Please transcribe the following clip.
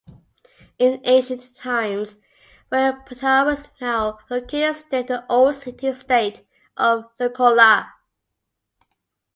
In ancient times, where Protaras is now located, stood the old city-state of Leukolla.